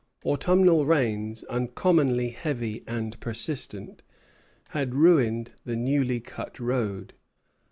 Autumnal rains, uncommonly heavy and persistent, had ruined the newly cut road.